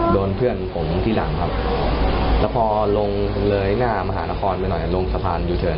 โดนเพื่อนผมที่หลังครับแล้วพอลงเลยหน้ามหานครไปหน่อยลงสะพานยูเทิร์น